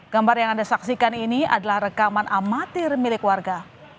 gambar yang anda saksikan ini adalah rekaman amatir milik warga